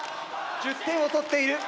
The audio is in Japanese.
１０点を取っている。